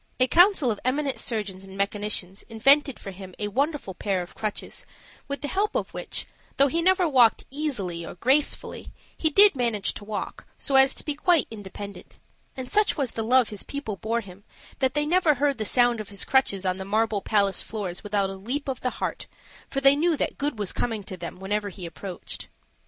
A council of eminent surgeons and mechanicians invented for him a wonderful pair of crutches, with the help of which, though he never walked easily or gracefully, he did manage to walk so as to be quite independent. And such was the love his people bore him that they never heard the sound of his crutches on the marble palace floors without a leap of the heart, for they knew that good was coming to them whenever he approached.